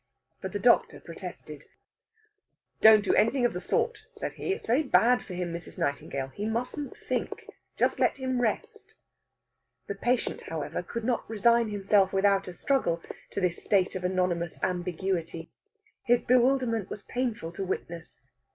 But the doctor protested. "Don't do anything of the sort," said he. "It's very bad for him, Mrs. Nightingale. He mustn't think. Just let him rest." The patient, however, could not resign himself without a struggle to this state of anonymous ambiguity. His bewilderment was painful to witness.